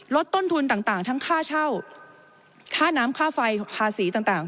ลดต้นทุนต่างทั้งค่าเช่าค่าน้ำค่าไฟภาษีต่าง